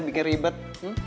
ya nyi dapat